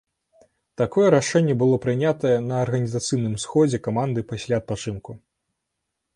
Такое рашэнне было прынятае на арганізацыйным сходзе каманды пасля адпачынку.